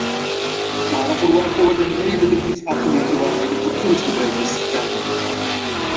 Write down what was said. Daarom verwerpen wij de mededingingsargumenten waarmee de vervoersbedrijven schermen.